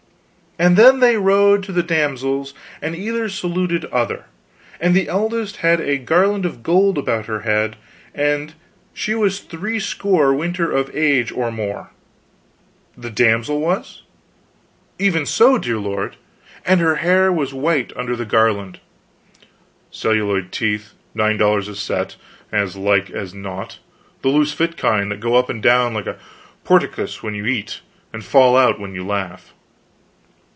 And then they rode to the damsels, and either saluted other, and the eldest had a garland of gold about her head, and she was threescore winter of age or more " "The damsel was?" "Even so, dear lord and her hair was white under the garland " "Celluloid teeth, nine dollars a set, as like as not the loose fit kind, that go up and down like a portcullis when you eat, and fall out when you laugh."